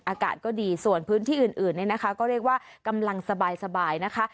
อากาศก็ดีส่วนพื้นที่อื่นเนี่ยนะคะก็เรียกว่ากำลังสบายนะคะ